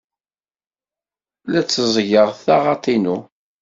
La tteẓẓgeɣ taɣaḍt-inu.